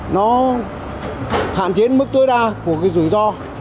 nó hạn chế mức tối đa của rủi ro